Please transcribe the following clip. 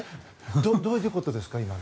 どういうことですか？